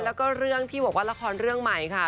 แล้วก็เรื่องที่บอกว่าละครเรื่องใหม่ค่ะ